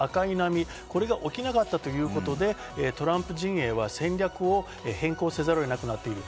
赤い波、これが起きなかったということで、トランプ陣営は、戦略を変更せざるを得なくなっている。